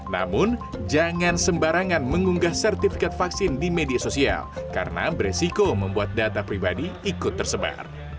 namun jangan sembarangan mengunggah sertifikat vaksin di media sosial karena beresiko membuat data pribadi ikut tersebar